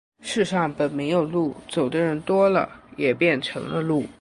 世上本没有路，走的人多了，也便成了路。